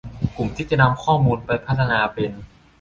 กลุ่มที่จะนำข้อมูลไปพัฒนาเป็น